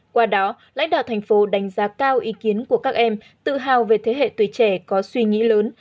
qua đó lãnh đạo thành phố đánh giá cao ý kiến của các em tự hào về thế hệ tuổi trẻ có suy nghĩ lớn